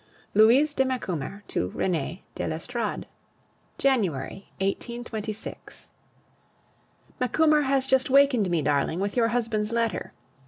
LOUISE DE MACUMER TO RENEE DE L'ESTORADE January 1826. Macumer has just wakened me, darling, with your husband's letter.